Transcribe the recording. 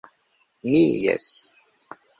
Mi, jes.